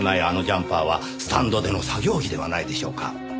あのジャンパーはスタンドでの作業着ではないでしょうか？